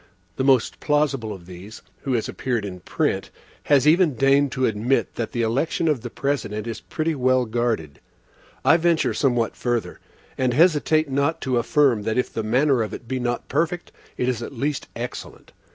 The most plausible of these, who has appeared in print, has even deigned to admit that the election of the President is pretty well guarded.(1) I venture somewhat further, and hesitate not to affirm, that if the manner of it be not perfect, it is at least excellent.